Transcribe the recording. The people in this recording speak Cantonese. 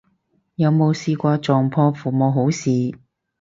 有冇試過撞破父母好事